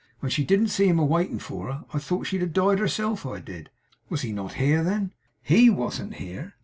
When she didn't see him a waiting for her, I thought she'd have died herself, I did!' 'Was he not here, then?' 'HE wasn't here.